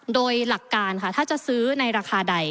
โดยหลักการค่ะถ้าจะซื้อในราคาใด